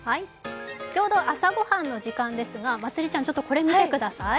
ちょうど朝ご飯の時間ですが、まつりちゃん、ちょっとこれ見てください。